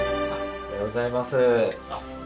おはようございます。